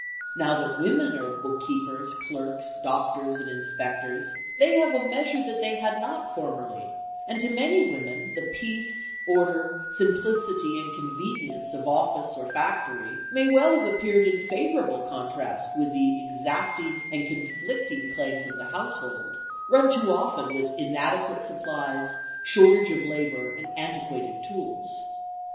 Now that women are book keepers, clerks, doctors and inspectors, they have a measure that they had not formerly, and to many women the peace, order, simplicity and convenience of office or factory may well have appeared in favourable contrast with the exacting and conflicting claims of the household, run too often with inadequate supplies, shortage of labour and antiquated tools.